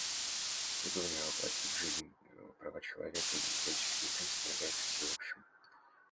Требование воплотить в жизнь права человека и демократические принципы является всеобщим.